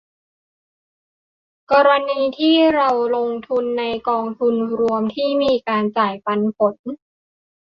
กรณีที่เราลงทุนในกองทุนรวมที่มีการจ่ายปันผล